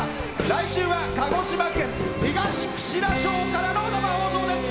来週は鹿児島県東串良町からの生放送です！